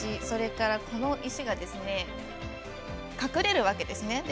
それから、この石が隠れるわけですね。